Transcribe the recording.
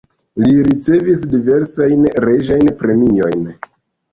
Li ricevis diversajn reĝajn premiojn.